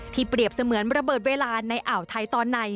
เปรียบเสมือนระเบิดเวลาในอ่าวไทยตอนใน